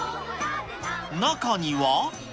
中には。